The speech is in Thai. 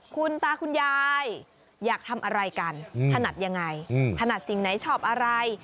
คุณตาคุณยายอยากทำอะไรกันถนัดยังไงถนัดสิ่งไหนชอบอะไร